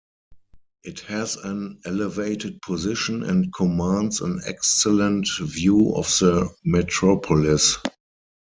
It has an elevated position, and commands an excellent view of the metropolis.